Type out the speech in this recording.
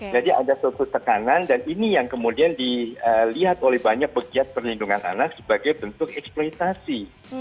jadi ada suatu tekanan dan ini yang kemudian dilihat oleh banyak begiat perlindungan anak sebagai bentuk eksploitasi